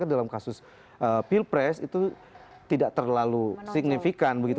dalam kasus pilpres itu tidak terlalu signifikan begitu